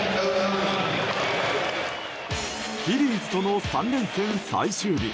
フィリーズとの３連戦最終日。